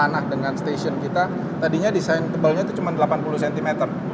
dan di atas tanah dengan stasiun kita tadinya desain tebalnya itu cuma delapan puluh cm